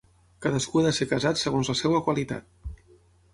Cadascú ha de ser casat segons la seva qualitat.